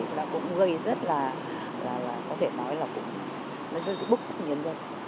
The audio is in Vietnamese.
thật sự là cũng gây rất là có thể nói là cũng gây bức xúc của nhân dân